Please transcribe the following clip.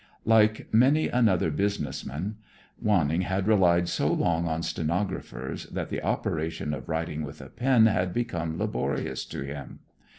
Like many another business man Wanning had relied so long on stenographers that the operation of writing with a pen had become laborious to him.